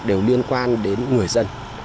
đều liên quan đến người dân